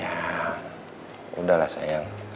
ya udahlah sayang